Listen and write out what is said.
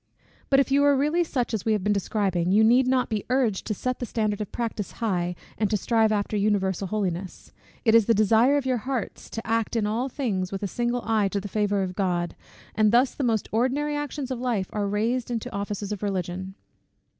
But if you are really such as we have been describing, you need not be urged to set the standard of practice high, and to strive after universal holiness. It is the desire of your hearts to act in all things with a single eye to the favour of God, and thus the most ordinary actions of life are raised into offices of Religion.